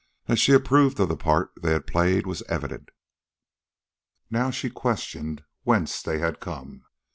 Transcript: That she approved of the part they had played was evident. Now she questioned whence they had come.